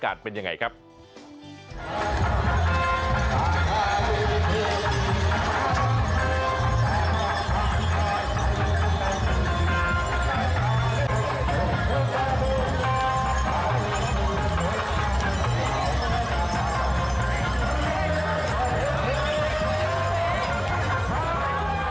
กลายเป็นประเพณีที่สืบทอดมาอย่างยาวนาน